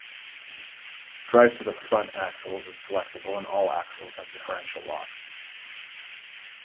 Drive to the front axles is selectable and all axles have differential locks.